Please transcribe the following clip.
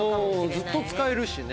ずっと使えるしね。